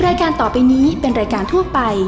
รายการต่อไปนี้เป็นรายการทั่วไป